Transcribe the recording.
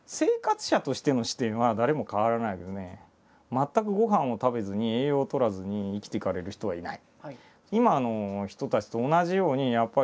全くごはんを食べずに栄養をとらずに生きていかれる人はいない。